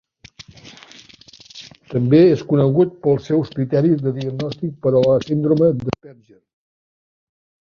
També és conegut pels seus criteris de diagnòstic per a la síndrome d'Asperger.